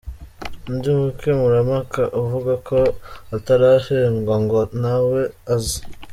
Undi mukemurampaka uvuga ko atarahembwa ngo ntawe azi.